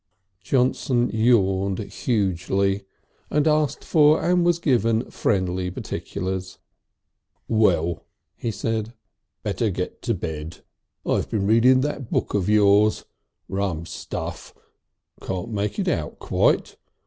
Johnson yawned hugely and asked for and was given friendly particulars. "Well," he said, "better get to bed. I have been reading that book of yours rum stuff. Can't make it out quite.